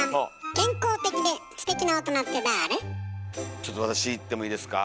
ちょっと私いってもいいですか。